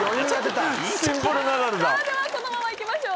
このままいきましょう。